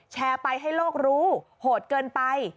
แชร์ไปให้โลกรู้โหดเกินไป